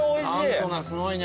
あんこがすごいね。